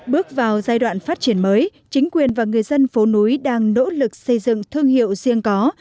bước vào giai đoạn phát triển mới chính quyền và người dân phố núi đang nỗ lực xây dựng thương hiệu riêng có